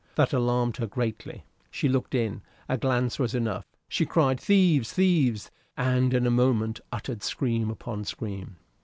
That alarmed her greatly. She looked in. A glance was enough. She cried, "Thieves! thieves!" and in a moment uttered scream upon scream.